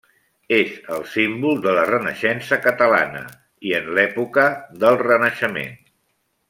És el símbol de la Renaixença catalana i en l'època, del renaixement.